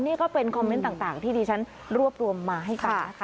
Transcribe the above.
นี่ก็เป็นคอมเมนต์ต่างที่ดิฉันรวบรวมมาให้ฟังนะคะ